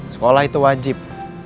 sekolah itu wajib